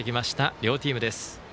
両チームです。